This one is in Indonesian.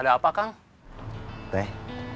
ada apa kang teh